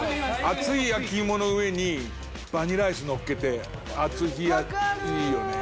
熱い焼き芋の上にバニラアイスのっけて熱冷やいいよね。